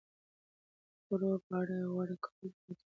د خوړو په اړه غور کول د عادتي لوږې مخه نیسي.